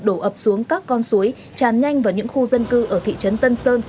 đổ ập xuống các con suối tràn nhanh vào những khu dân cư ở thị trấn tân sơn